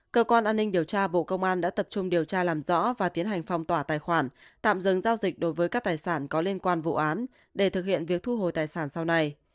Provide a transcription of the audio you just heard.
cơ quan an ninh điều tra bộ công an đã tập trung điều tra làm rõ và tiến hành phong tỏa tài khoản tạm dừng giao dịch đối với các tài sản có liên quan vụ án để thực hiện việc thu hồi tài sản sau này